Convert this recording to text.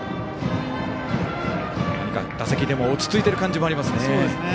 何か、打席でも落ち着いている感じがありますね。